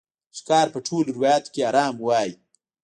ښکار په ټولو روایاتو کې حرام وای